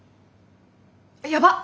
やばっ